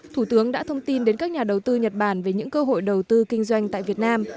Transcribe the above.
thủ tướng đã thông tin đến các nhà đầu tư nhật bản về những cơ hội đầu tư kinh doanh tại việt nam